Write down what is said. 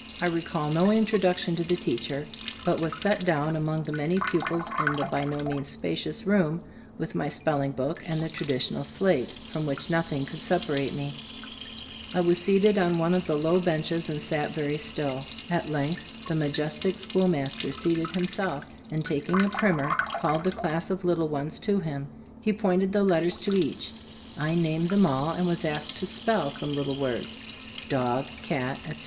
I recall no introduction to the teacher, but was set down among the many pupils in the by no means spacious room, with my spelling book and the traditional slate, from which nothing could separate me. I was 30 Cbe Storg ot Ag Cbttobood seated on one of the low benches and sat very still. At length the majestic schoolmaster seated himself, and tak ing a primer, called the class of little ones to him. He pointed the letters to each. I named them all, and was asked to spell some little words, "dog," "cat," etc.